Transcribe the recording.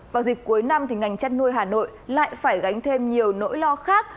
vào dịp cuối năm ngành chất nuôi hà nội lại phải gánh thêm nhiều nỗi lo khác